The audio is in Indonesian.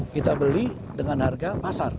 kita beli dengan harga pasar